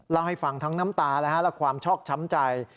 เล่าให้ฟังทั้งน้ำตาและความชอบช้ำใจ